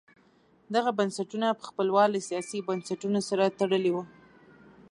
دغه بنسټونه په خپل وار له سیاسي بنسټونو سره تړلي وو.